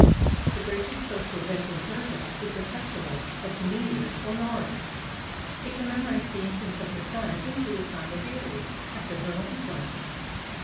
The greatest social event in Persia is the festival of the New Year or Noruz. It commemorates the entrance of the sun into the sign of Aries at the vernal equinox.